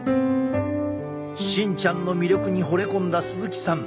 芯ちゃんの魅力にほれ込んだ鈴木さん